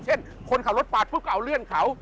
เช่นคนขับรถปากพวกเขาเอาเลื่อนเขา